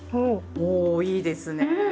おいいですねぇ。